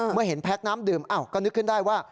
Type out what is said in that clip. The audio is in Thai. เมื่อเห็นแพ็คน้ำดื่มอ้าวก็นึกขึ้นได้ว่า